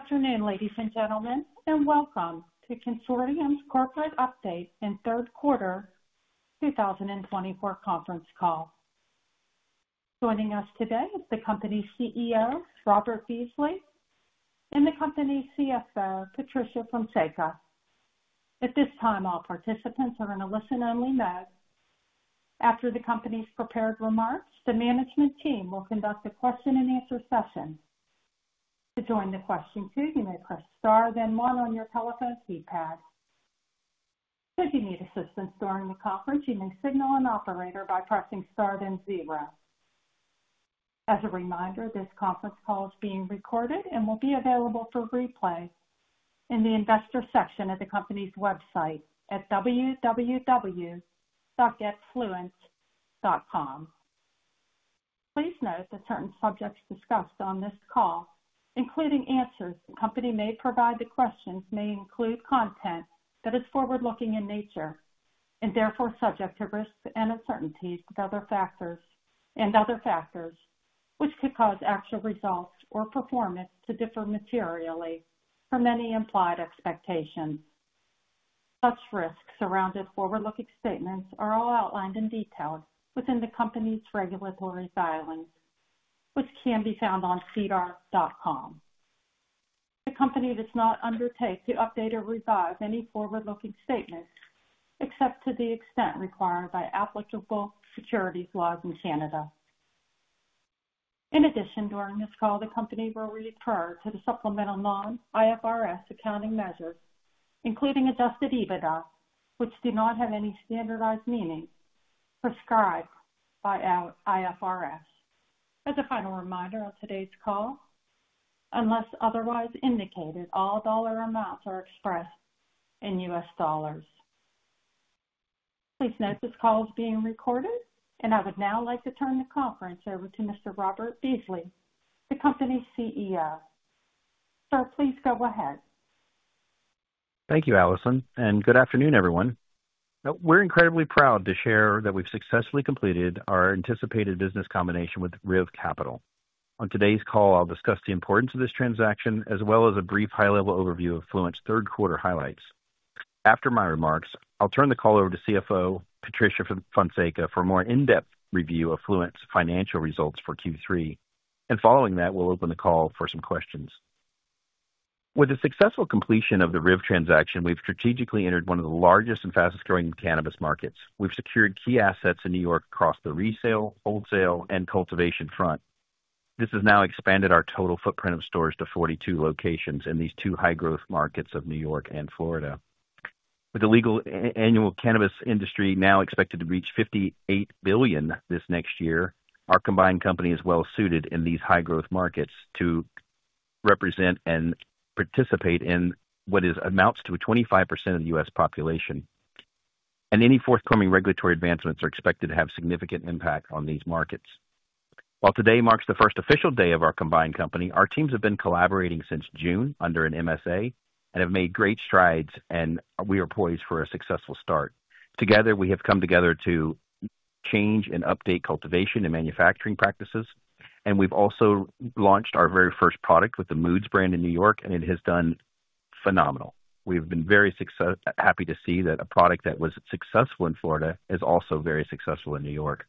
Good afternoon, ladies and gentlemen, and welcome to Cansortium's Corporate Update and Third Quarter 2024 Conference Call. Joining us today is the company's CEO, Robert Beasley, and the company's CFO, Patricia Fonseca. At this time, all participants are in a listen-only mode. After the company's prepared remarks, the management team will conduct a question-and-answer session. To join the question queue, you may press star then one on your telephone keypad. Should you need assistance during the conference, you may signal an operator by pressing star then zero. As a reminder, this conference call is being recorded and will be available for replay in the investor section of the company's website at www.getfluent.com. Please note that certain subjects discussed on this call, including answers the company may provide to questions, may include content that is forward-looking in nature and therefore subject to risks and uncertainties and other factors, which could cause actual results or performance to differ materially from any implied expectations. Such risks around the forward-looking statements are all outlined and detailed within the company's regulatory filings, which can be found on sedar.com. The company does not undertake to update or revise any forward-looking statements except to the extent required by applicable securities laws in Canada. In addition, during this call, the company will refer to the supplemental non-IFRS accounting measures, including adjusted EBITDA, which do not have any standardized meaning prescribed by IFRS. As a final reminder of today's call, unless otherwise indicated, all dollar amounts are expressed in U.S. dollars. Please note this call is being recorded, and I would now like to turn the conference over to Mr. Robert Beasley, the company's CEO. Sir, please go ahead. Thank you, Alison, and good afternoon, everyone. We're incredibly proud to share that we've successfully completed our anticipated business combination with RIV Capital. On today's call, I'll discuss the importance of this transaction as well as a brief high-level overview of FLUENT's third quarter highlights. After my remarks, I'll turn the call over to CFO, Patricia Fonseca, for a more in-depth review of FLUENT's financial results for Q3. And following that, we'll open the call for some questions. With the successful completion of the RIV transaction, we've strategically entered one of the largest and fastest-growing cannabis markets. We've secured key assets in New York across the retail, wholesale, and cultivation front. This has now expanded our total footprint of stores to 42 locations in these two high-growth markets of New York and Florida. With the legal annual cannabis industry now expected to reach $58 billion this next year, our combined company is well-suited in these high-growth markets to represent and participate in what amounts to 25% of the U.S. population, and any forthcoming regulatory advancements are expected to have a significant impact on these markets. While today marks the first official day of our combined company, our teams have been collaborating since June under an MSA and have made great strides, and we are poised for a successful start. Together, we have come together to change and update cultivation and manufacturing practices, and we've also launched our very first product with the Moods brand in New York, and it has done phenomenal. We've been very happy to see that a product that was successful in Florida is also very successful in New York.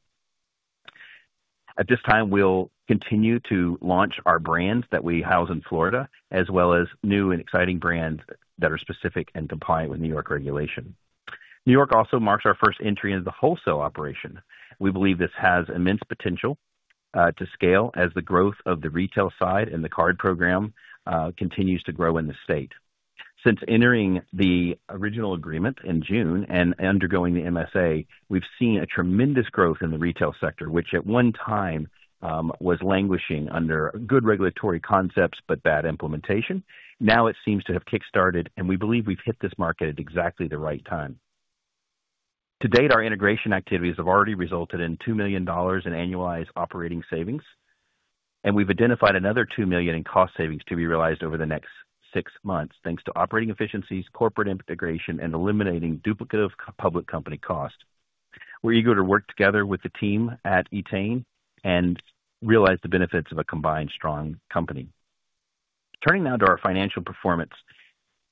At this time, we'll continue to launch our brands that we house in Florida, as well as new and exciting brands that are specific and compliant with New York regulation. New York also marks our first entry into the wholesale operation. We believe this has immense potential to scale as the growth of the retail side and the card program continues to grow in the state. Since entering the original agreement in June and undergoing the MSA, we've seen a tremendous growth in the retail sector, which at one time was languishing under good regulatory concepts but bad implementation. Now it seems to have kickstarted, and we believe we've hit this market at exactly the right time. To date, our integration activities have already resulted in $2 million in annualized operating savings, and we've identified another $2 million in cost savings to be realized over the next six months, thanks to operating efficiencies, corporate integration, and eliminating duplicative public company cost. We're eager to work together with the team at Etain and realize the benefits of a combined strong company. Turning now to our financial performance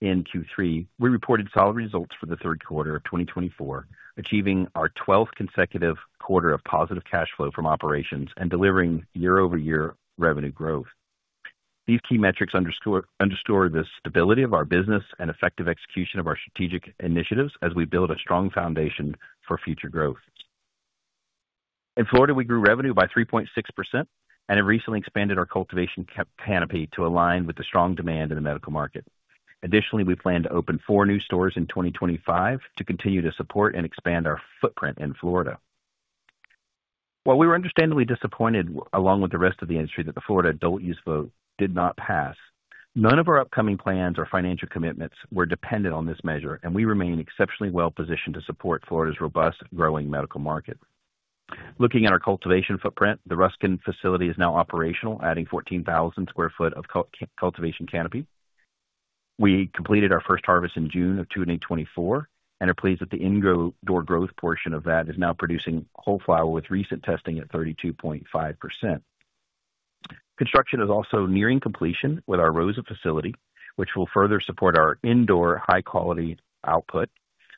in Q3, we reported solid results for the third quarter of 2024, achieving our 12th consecutive quarter of positive cash flow from operations and delivering year-over-year revenue growth. These key metrics underscore the stability of our business and effective execution of our strategic initiatives as we build a strong foundation for future growth. In Florida, we grew revenue by 3.6%, and we recently expanded our cultivation canopy to align with the strong demand in the medical market. Additionally, we plan to open four new stores in 2025 to continue to support and expand our footprint in Florida. While we were understandably disappointed, along with the rest of the industry, that the Florida Adult Use Vote did not pass, none of our upcoming plans or financial commitments were dependent on this measure, and we remain exceptionally well-positioned to support Florida's robust, growing medical market. Looking at our cultivation footprint, the Ruskin facility is now operational, adding 14,000 sq ft of cultivation canopy. We completed our first harvest in June of 2024 and are pleased that the indoor growth portion of that is now producing whole flower with recent testing at 32.5%. Construction is also nearing completion with our Rosa facility, which will further support our indoor high-quality output.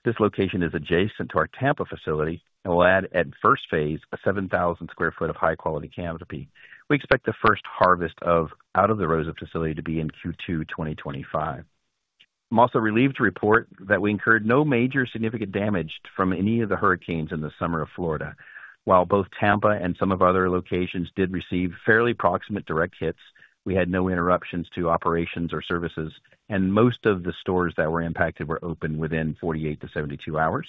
This location is adjacent to our Tampa facility and will add, at first phase, 7,000 sq ft of high-quality canopy. We expect the first harvest out of the Rosa facility to be in Q2 2025. I'm also relieved to report that we incurred no major significant damage from any of the hurricanes in the summer of Florida. While both Tampa and some of other locations did receive fairly proximate direct hits, we had no interruptions to operations or services, and most of the stores that were impacted were open within 48 to 72 hours.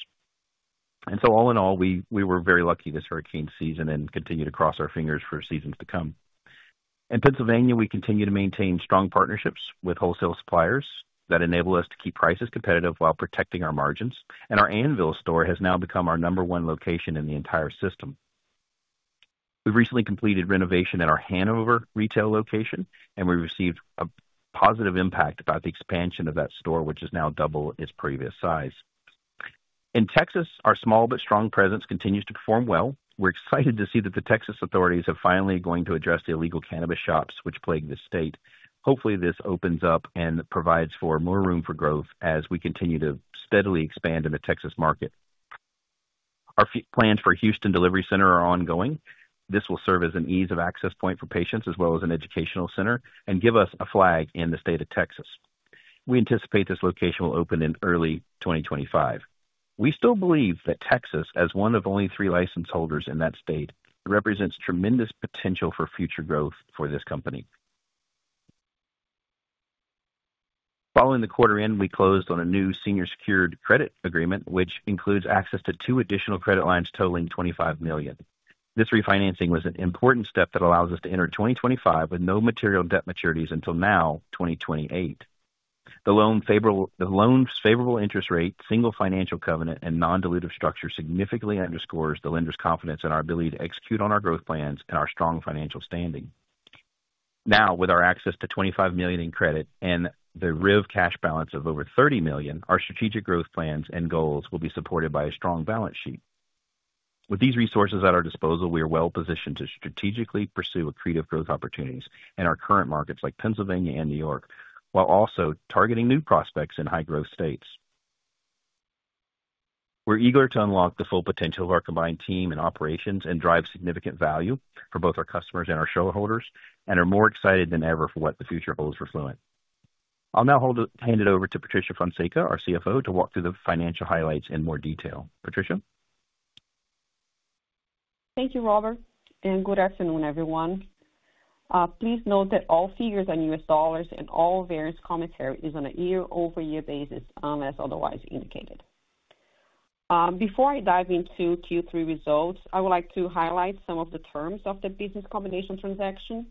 And so, all in all, we were very lucky this hurricane season and continue to cross our fingers for seasons to come. In Pennsylvania, we continue to maintain strong partnerships with wholesale suppliers that enable us to keep prices competitive while protecting our margins, and our Annville store has now become our number one location in the entire system. We've recently completed renovation at our Hanover retail location, and we received a positive impact about the expansion of that store, which is now double its previous size. In Texas, our small but strong presence continues to perform well. We're excited to see that the Texas authorities are finally going to address the illegal cannabis shops which plague the state. Hopefully, this opens up and provides for more room for growth as we continue to steadily expand in the Texas market. Our plans for Houston Delivery Center are ongoing. This will serve as an ease-of-access point for patients as well as an educational center and give us a flag in the state of Texas. We anticipate this location will open in early 2025. We still believe that Texas, as one of only three license holders in that state, represents tremendous potential for future growth for this company. Following the quarter-end, we closed on a new senior secured credit agreement, which includes access to two additional credit lines totaling $25 million. This refinancing was an important step that allows us to enter 2025 with no material debt maturities until 2028. The loan's favorable interest rate, single financial covenant, and non-dilutive structure significantly underscore the lender's confidence in our ability to execute on our growth plans and our strong financial standing. Now, with our access to $25 million in credit and the RIV cash balance of over $30 million, our strategic growth plans and goals will be supported by a strong balance sheet. With these resources at our disposal, we are well-positioned to strategically pursue accretive growth opportunities in our current markets like Pennsylvania and New York, while also targeting new prospects in high-growth states. We're eager to unlock the full potential of our combined team and operations and drive significant value for both our customers and our shareholders, and are more excited than ever for what the future holds for FLUENT. I'll now hand it over to Patricia Fonseca, our CFO, to walk through the financial highlights in more detail. Patricia. Thank you, Robert, and good afternoon, everyone. Please note that all figures are in U.S. dollars and all variance commentary is on a year-over-year basis, unless otherwise indicated. Before I dive into Q3 results, I would like to highlight some of the terms of the business combination transaction.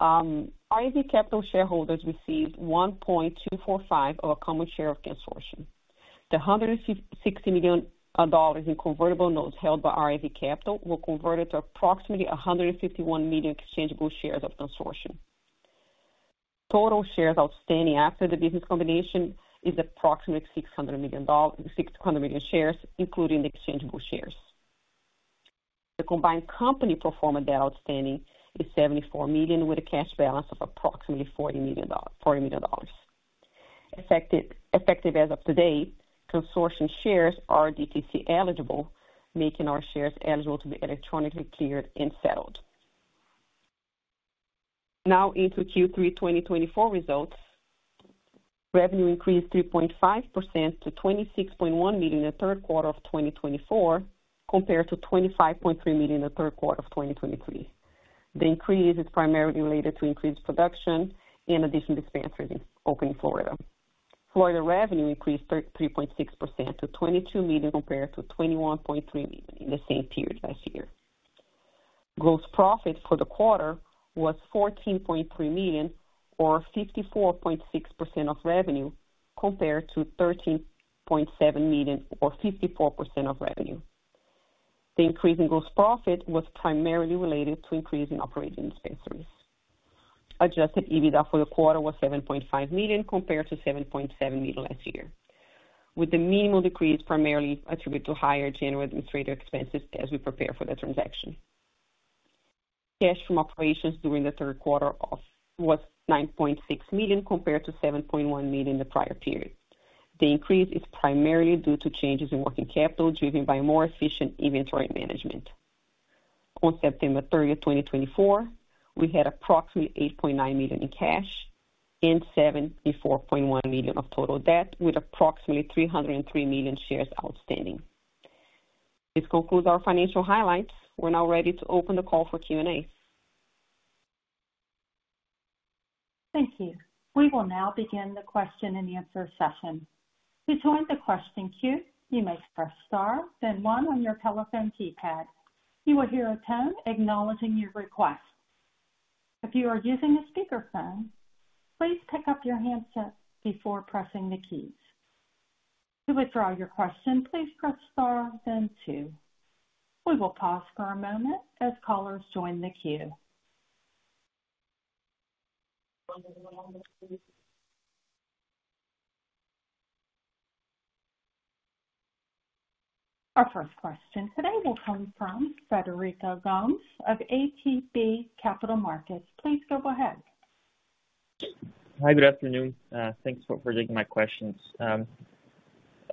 RIV Capital shareholders received 1.245 of a common share of Cansortium. The $160 million in convertible notes held by RIV Capital were converted to approximately 151 million exchangeable shares of Cansortium. Total shares outstanding after the business combination is approximately 600 million shares, including the exchangeable shares. The combined company pro forma debt outstanding is $74 million, with a cash balance of approximately $40 million. Effective as of today, Cansortium shares are DTC eligible, making our shares eligible to be electronically cleared and settled. Now, into Q3 2024 results, revenue increased 3.5% to $26.1 million in the third quarter of 2024 compared to $25.3 million in the third quarter of 2023. The increase is primarily related to increased production and additional expansion opening Florida. Florida revenue increased 3.6% to $22 million compared to $21.3 million in the same period last year. Gross profit for the quarter was $14.3 million, or 54.6% of revenue, compared to $13.7 million, or 54% of revenue. The increase in gross profit was primarily related to increase in operating expenses. Adjusted EBITDA for the quarter was $7.5 million compared to $7.7 million last year, with the minimal decrease primarily attributed to higher general administrative expenses as we prepare for the transaction. Cash from operations during the third quarter was $9.6 million compared to $7.1 million in the prior period. The increase is primarily due to changes in working capital driven by more efficient inventory management. On September 30, 2024, we had approximately $8.9 million in cash and $74.1 million of total debt, with approximately 303 million shares outstanding. This concludes our financial highlights. We're now ready to open the call for Q&A. Thank you. We will now begin the question-and-answer session. To join the question queue, you may press star, then one on your telephone keypad. You will hear a tone acknowledging your request. If you are using a speakerphone, please pick up your handset before pressing the keys. To withdraw your question, please press star, then two. We will pause for a moment as callers join the queue. Our first question today will come from Frederico Gomes of ATB Capital Markets. Please go ahead. Hi, good afternoon. Thanks for taking my questions.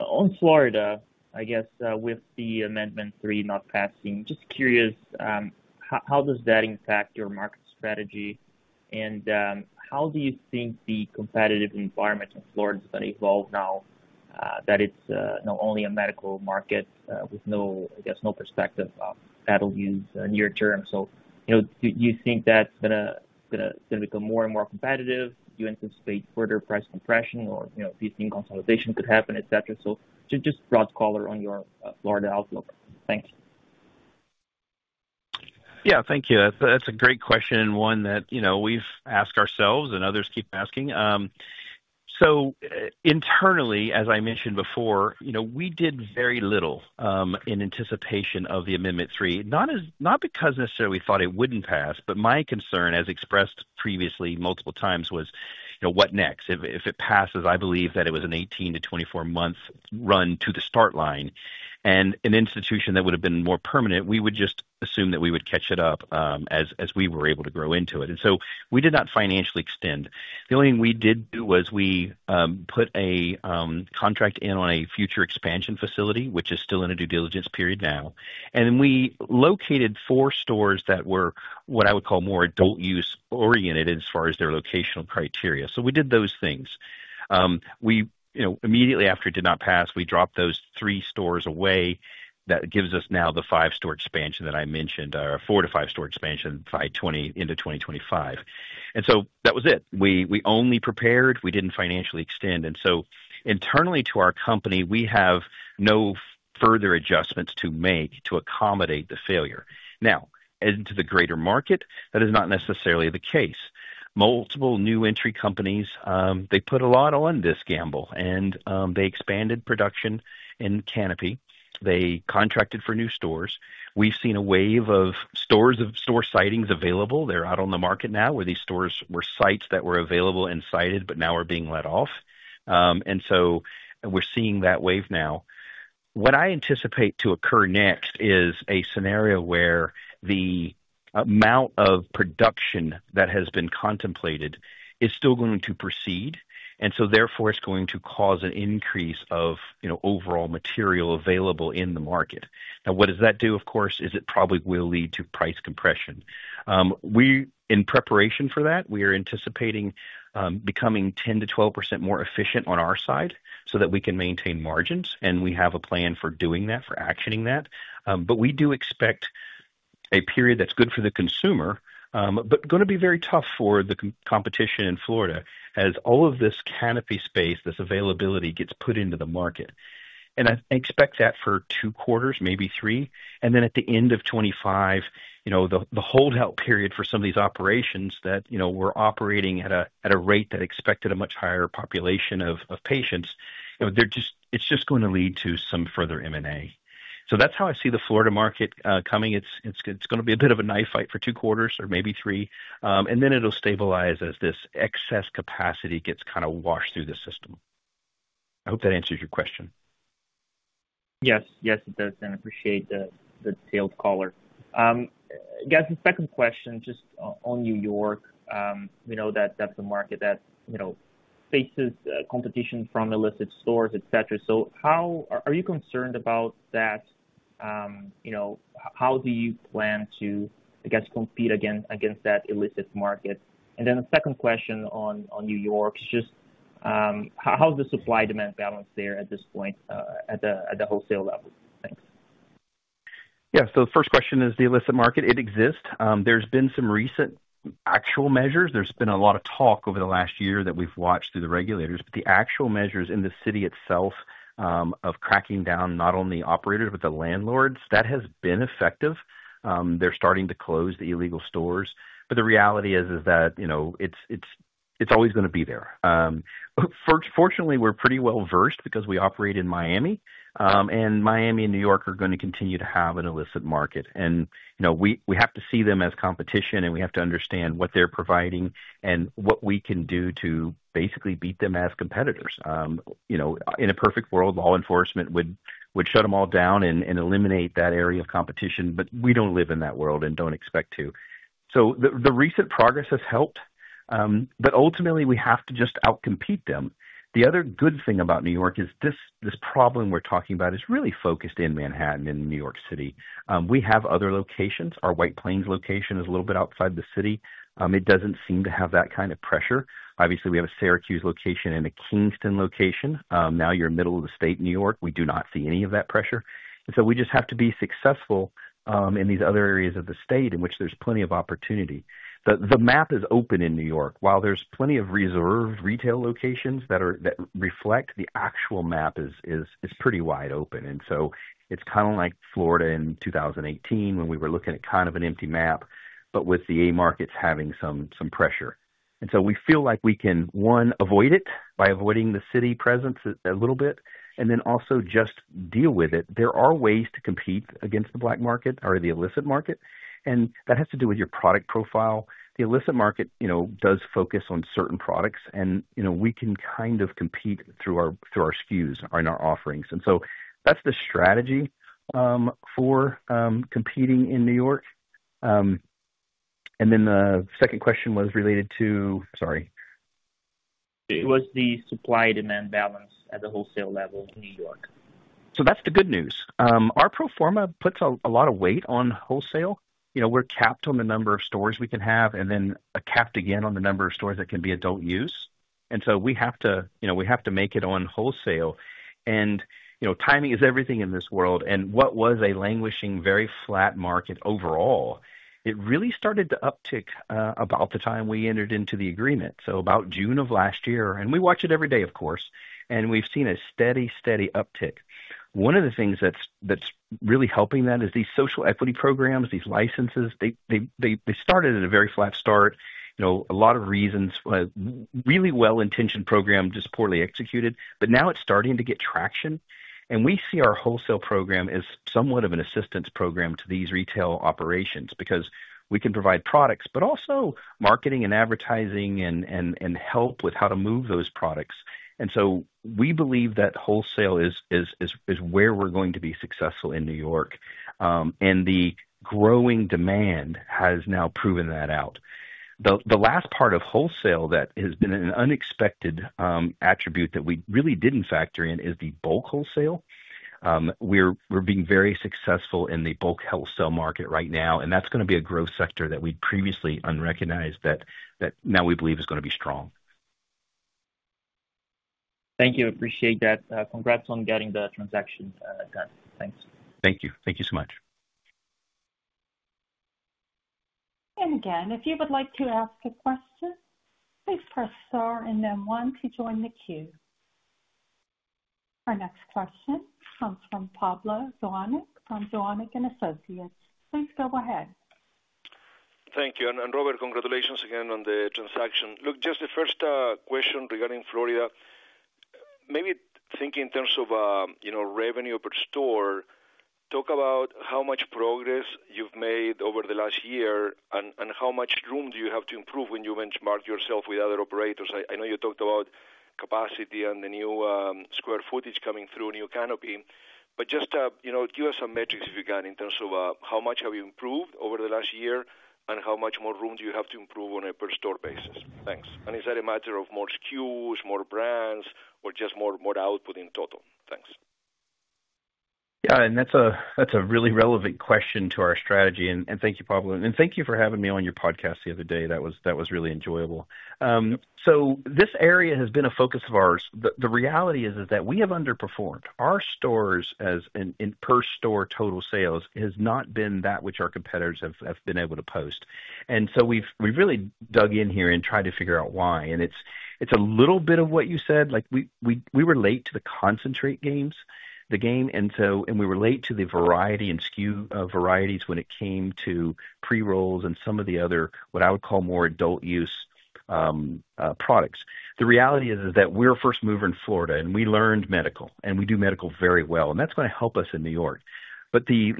On Florida, I guess with the Amendment III not passing, just curious, how does that impact your market strategy? And how do you think the competitive environment in Florida is going to evolve now that it's not only a medical market with, I guess, no prospect of adult use near term? So do you think that's going to become more and more competitive? Do you anticipate further price compression or do you think consolidation could happen, etc.? So just broad color on your Florida outlook. Thanks. Yeah, thank you. That's a great question and one that we've asked ourselves and others keep asking, so internally, as I mentioned before, we did very little in anticipation of the Amendment III, not because necessarily we thought it wouldn't pass, but my concern, as expressed previously multiple times, was what next? If it passes, I believe that it was an 18- to 24-month run to the start line, and an institution that would have been more permanent, we would just assume that we would catch it up as we were able to grow into it, and so we did not financially extend. The only thing we did do was we put a contract in on a future expansion facility, which is still in a due diligence period now, and then we located four stores that were what I would call more Adult Use-oriented as far as their locational criteria. We did those things. Immediately after it did not pass, we dropped those three stores away. That gives us now the five-store expansion that I mentioned, a four- to five-store expansion by Q2 into 2025. That was it. We only prepared. We didn't financially extend. Internally to our company, we have no further adjustments to make to accommodate the failure. Now, as to the greater market, that is not necessarily the case. Multiple new entry companies, they put a lot on this gamble, and they expanded production and canopy. They contracted for new stores. We've seen a wave of store site listings available. They're out on the market now, where these store sites were available and sited but now are being sold off. We're seeing that wave now. What I anticipate to occur next is a scenario where the amount of production that has been contemplated is still going to proceed, and so therefore it's going to cause an increase of overall material available in the market. Now, what does that do, of course, is it probably will lead to price compression. In preparation for that, we are anticipating becoming 10%-12% more efficient on our side so that we can maintain margins, and we have a plan for doing that, for actioning that, but we do expect a period that's good for the consumer, but going to be very tough for the competition in Florida as all of this canopy space, this availability gets put into the market, and I expect that for two quarters, maybe three. And then at the end of 2025, the holdout period for some of these operations that were operating at a rate that expected a much higher population of patients, it's just going to lead to some further M&A. So that's how I see the Florida market coming. It's going to be a bit of a knife fight for two quarters or maybe three, and then it'll stabilize as this excess capacity gets kind of washed through the system. I hope that answers your question. Yes, yes, it does. And I appreciate the call, sir. I guess the second question, just on New York, we know that that's a market that faces competition from illicit stores, etc. So are you concerned about that? How do you plan to, I guess, compete against that illicit market? And then the second question on New York is just how's the supply-demand balance there at this point at the wholesale level? Thanks. Yeah, so the first question is the illicit market. It exists. There's been some recent actual measures. There's been a lot of talk over the last year that we've watched through the regulators, but the actual measures in the city itself of cracking down not only operators, but the landlords, that has been effective. They're starting to close the illegal stores. But the reality is that it's always going to be there. Fortunately, we're pretty well-versed because we operate in Miami, and Miami and New York are going to continue to have an illicit market. And we have to see them as competition, and we have to understand what they're providing and what we can do to basically beat them as competitors. In a perfect world, law enforcement would shut them all down and eliminate that area of competition, but we don't live in that world and don't expect to. So the recent progress has helped, but ultimately, we have to just outcompete them. The other good thing about New York is this problem we're talking about is really focused in Manhattan and New York City. We have other locations. Our White Plains location is a little bit outside the city. It doesn't seem to have that kind of pressure. Obviously, we have a Syracuse location and a Kingston location. Now you're in the middle of the state in New York. We do not see any of that pressure. And so we just have to be successful in these other areas of the state in which there's plenty of opportunity. The map is open in New York. While there's plenty of reserved retail locations that reflect, the actual map is pretty wide open. It's kind of like Florida in 2018 when we were looking at kind of an empty map, but with the A-markets having some pressure. We feel like we can, one, avoid it by avoiding the city presence a little bit, and then also just deal with it. There are ways to compete against the black market or the illicit market, and that has to do with your product profile. The illicit market does focus on certain products, and we can kind of compete through our SKUs and our offerings. That's the strategy for competing in New York. The second question was related to, sorry. Was the supply-demand balance at the wholesale level in New York? So that's the good news. Our pro forma puts a lot of weight on wholesale. We're capped on the number of stores we can have and then capped again on the number of stores that can be adult use, and so we have to make it on wholesale, and timing is everything in this world, and what was a languishing, very flat market overall, it really started to uptick about the time we entered into the agreement, so about June of last year, and we watch it every day, of course, and we've seen a steady, steady uptick. One of the things that's really helping that is these social equity programs, these licenses. They started at a very flat start, a lot of reasons, really well-intentioned program, just poorly executed, but now it's starting to get traction. And we see our wholesale program as somewhat of an assistance program to these retail operations because we can provide products, but also marketing and advertising and help with how to move those products. And so we believe that wholesale is where we're going to be successful in New York, and the growing demand has now proven that out. The last part of wholesale that has been an unexpected attribute that we really didn't factor in is the bulk wholesale. We're being very successful in the bulk wholesale market right now, and that's going to be a growth sector that we previously unrecognized that now we believe is going to be strong. Thank you. Appreciate that. Congrats on getting the transaction done. Thanks. Thank you. Thank you so much. Again, if you would like to ask a question, please press star and then one to join the queue. Our next question comes from Pablo Zuanic from Zuanic and Associates. Please go ahead. Thank you. And Robert, congratulations again on the transaction. Look, just the first question regarding Florida, maybe thinking in terms of revenue per store, talk about how much progress you've made over the last year and how much room do you have to improve when you benchmark yourself with other operators. I know you talked about capacity and the new square footage coming through a new canopy, but just give us some metrics if you can in terms of how much have you improved over the last year and how much more room do you have to improve on a per-store basis. Thanks. And is that a matter of more SKUs, more brands, or just more output in total? Thanks. Yeah, and that's a really relevant question to our strategy, and thank you, Pablo, and thank you for having me on your podcast the other day. That was really enjoyable, so this area has been a focus of ours. The reality is that we have underperformed. Our stores in per-store total sales has not been that which our competitors have been able to post, and so we've really dug in here and tried to figure out why, and it's a little bit of what you said. We were late to the concentrate game, and we were late to the variety and SKU varieties when it came to pre-rolls and some of the other, what I would call, more adult use products. The reality is that we're a first mover in Florida, and we learned medical, and we do medical very well, and that's going to help us in New York. But the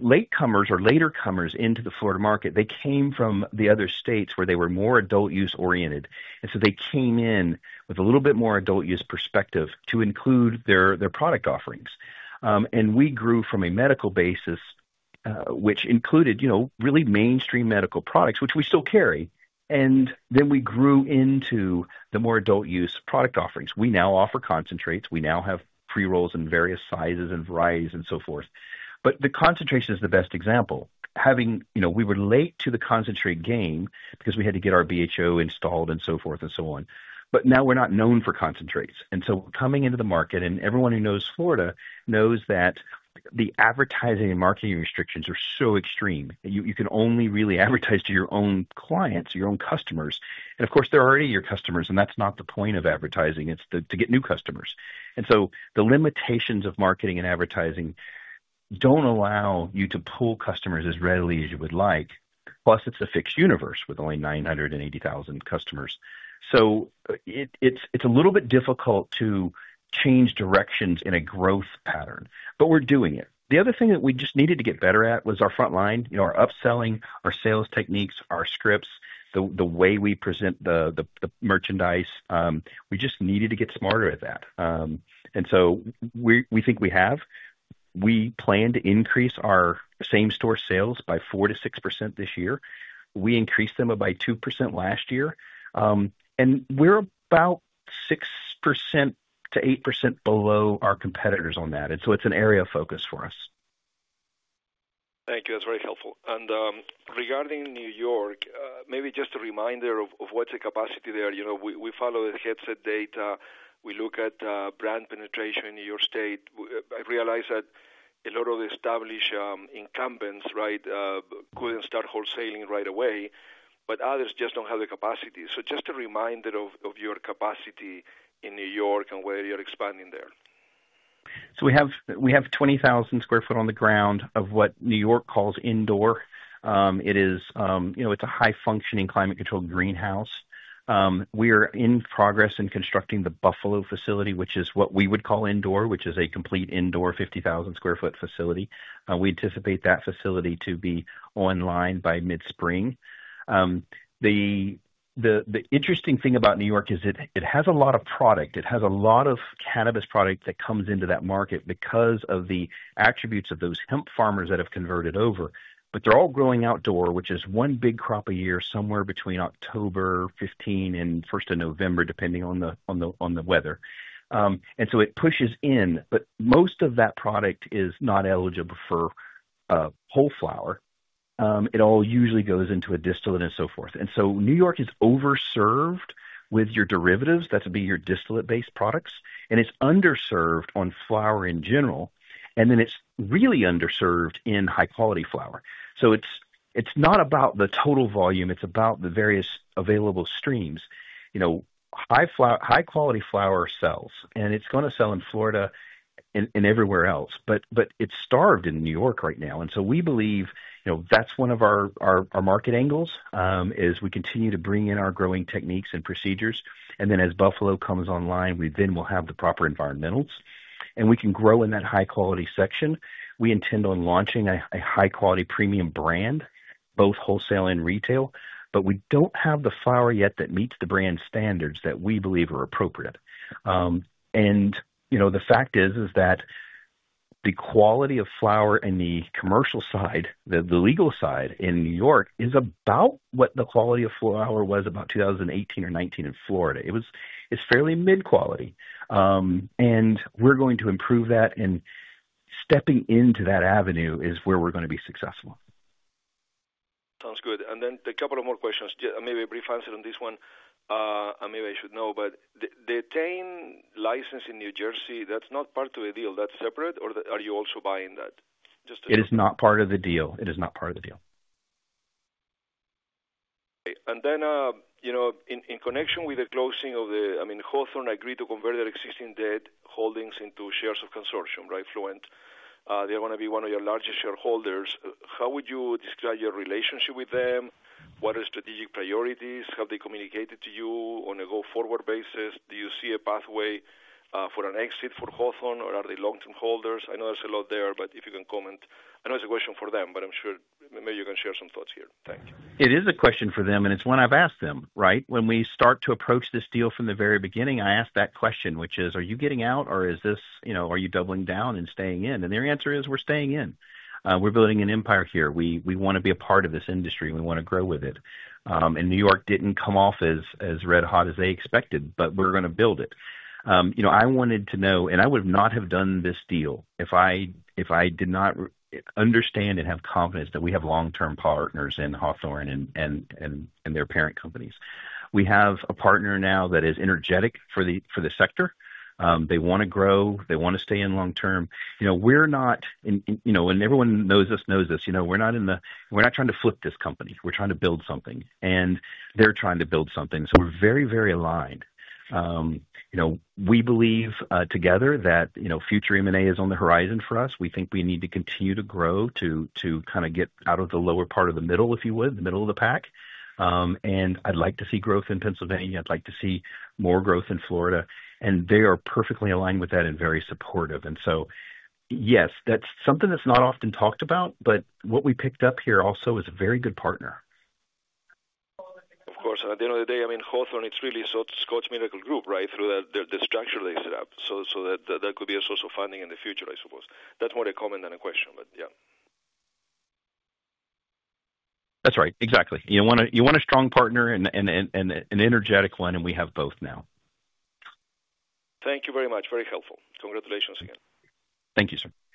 latecomers or later comers into the Florida market, they came from the other states where they were more adult use oriented. And so they came in with a little bit more adult use perspective to include their product offerings. And we grew from a medical basis, which included really mainstream medical products, which we still carry. And then we grew into the more adult use product offerings. We now offer concentrates. We now have pre-rolls in various sizes and varieties and so forth. But the concentration is the best example. We were late to the concentrate game because we had to get our BHO installed and so forth and so on. But now we're not known for concentrates. And so coming into the market, and everyone who knows Florida knows that the advertising and marketing restrictions are so extreme that you can only really advertise to your own clients, your own customers. And of course, they're already your customers, and that's not the point of advertising. It's to get new customers. And so the limitations of marketing and advertising don't allow you to pull customers as readily as you would like. Plus, it's a fixed universe with only 980,000 customers. So it's a little bit difficult to change directions in a growth pattern, but we're doing it. The other thing that we just needed to get better at was our front line, our upselling, our sales techniques, our scripts, the way we present the merchandise. We just needed to get smarter at that. And so we think we have. We plan to increase our same-store sales by 4%-6% this year. We increased them by 2% last year, and we're about 6%-8% below our competitors on that, and so it's an area of focus for us. Thank you. That's very helpful and regarding New York, maybe just a reminder of what's the capacity there? We follow the Headset data. We look at brand penetration in your state. I realize that a lot of the established incumbents, right, couldn't start wholesaling right away, but others just don't have the capacity, so just a reminder of your capacity in New York and where you're expanding there. So we have 20,000 sq ft on the ground of what New York calls indoor. It's a high-functioning climate-controlled greenhouse. We are in progress in constructing the Buffalo facility, which is what we would call indoor, which is a complete indoor 50,000 sq ft facility. We anticipate that facility to be online by mid-spring. The interesting thing about New York is it has a lot of product. It has a lot of cannabis product that comes into that market because of the attributes of those hemp farmers that have converted over, but they're all growing outdoor, which is one big crop a year somewhere between October 15 and November 1st, depending on the weather. And so it pushes in, but most of that product is not eligible for whole flower. It all usually goes into a distillate and so forth. And so New York is overserved with your derivatives. That's to be your distillate-based products. And it's underserved on flower in general, and then it's really underserved in high-quality flower. So it's not about the total volume. It's about the various available streams. High-quality flower sells, and it's going to sell in Florida and everywhere else, but it's starved in New York right now. And so we believe that's one of our market angles: we continue to bring in our growing techniques and procedures. And then as Buffalo comes online, we then will have the proper environmentals, and we can grow in that high-quality section. We intend on launching a high-quality premium brand, both wholesale and retail, but we don't have the flower yet that meets the brand standards that we believe are appropriate. And the fact is that the quality of flower in the commercial side, the legal side in New York, is about what the quality of flower was about 2018 or 2019 in Florida. It's fairly mid-quality. And we're going to improve that, and stepping into that avenue is where we're going to be successful. Sounds good. And then a couple of more questions. Maybe a brief answer on this one, and maybe I should know, but the Etain license in New Jersey, that's not part of the deal. That's separate, or are you also buying that? It is not part of the deal. It is not part of the deal. Okay. And then in connection with the closing of the, I mean, Hawthorne agreed to convert their existing debt holdings into shares of Cansortium, right, FLUENT? They're going to be one of your largest shareholders. How would you describe your relationship with them? What are strategic priorities? Have they communicated to you on a go-forward basis? Do you see a pathway for an exit for Hawthorne, or are they long-term holders? I know there's a lot there, but if you can comment. I know it's a question for them, but I'm sure maybe you can share some thoughts here. Thank you. It is a question for them, and it's one I've asked them, right? When we start to approach this deal from the very beginning, I asked that question, which is, are you getting out, or are you doubling down and staying in? And their answer is, we're staying in. We're building an empire here. We want to be a part of this industry. We want to grow with it. And New York didn't come off as red-hot as they expected, but we're going to build it. I wanted to know, and I would not have done this deal if I did not understand and have confidence that we have long-term partners in Hawthorne and their parent companies. We have a partner now that is energetic for the sector. They want to grow. They want to stay in long-term. We're not, and everyone knows us, knows us. We're not trying to flip this company. We're trying to build something, and they're trying to build something. So we're very, very aligned. We believe together that future M&A is on the horizon for us. We think we need to continue to grow to kind of get out of the lower part of the middle, if you would, the middle of the pack. And I'd like to see growth in Pennsylvania. I'd like to see more growth in Florida. And they are perfectly aligned with that and very supportive. And so, yes, that's something that's not often talked about, but what we picked up here also is a very good partner. Of course. And at the end of the day, I mean, Hawthorne, it's really such a ScottsMiracle-Gro, right, through the structure they set up. So that could be a source of funding in the future, I suppose. That's more a comment than a question, but yeah. That's right. Exactly. You want a strong partner and an energetic one, and we have both now. Thank you very much. Very helpful. Congratulations again. Thank you, sir.